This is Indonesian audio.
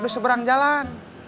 di seberang jalan